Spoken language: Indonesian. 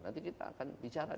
nanti kita akan bicara